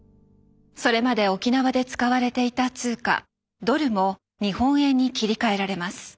それまで沖縄で使われていた通貨ドルも日本円に切り替えられます。